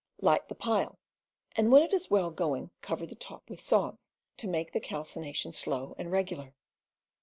Light the pile and when it is well going cover the top with sods to make the calcination slow and regular.